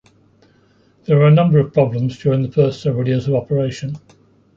There were a number of problems during the first several years of operation.